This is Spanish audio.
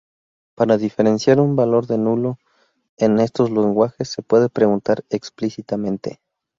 Para diferenciar un valor de nulo en estos lenguajes se puede preguntar explícitamente.